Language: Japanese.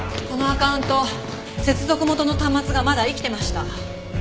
このアカウント接続元の端末がまだ生きてました。